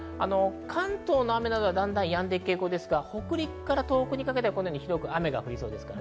関東の雨などはだんだんやんでいく傾向ですが北陸から東北にかけては広く雨が降りそうです。